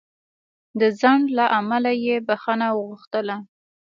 د ځنډ له امله یې بخښنه وغوښتله.